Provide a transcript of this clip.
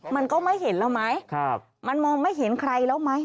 มันก็ไม่เห็นแล้วไหมมันมองไม่เห็นใครแล้วไหม